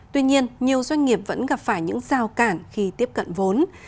tuy nhiên nhiều doanh nghiệp vẫn gặp phải những giao cản khi tiếp cận vốn